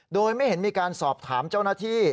โดยไม่เห็นมีการสอบถามเจ้าหน้าที่